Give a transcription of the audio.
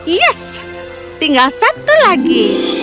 yes tinggal satu lagi